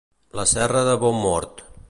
La Serra de Boumort.